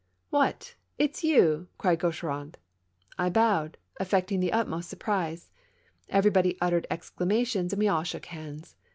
"What I it's you!^ cried Gaucheraud. I bowed, affecting the utmost surprise. Everybody uttered exclamations and we all shook hands.